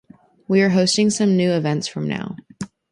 We are hosting some new events from now.